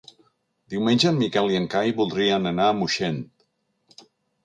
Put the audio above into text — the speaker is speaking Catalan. Diumenge en Miquel i en Cai voldrien anar a Moixent.